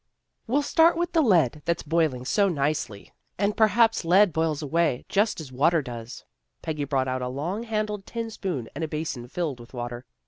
" We'll start with the lead, that's boiling so nicely, and perhaps lead boils away, just as water does." Peggy brought out a long handled tin spoon, and a basin filled with water.